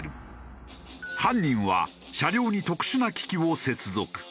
犯人は車両に特殊な機器を接続。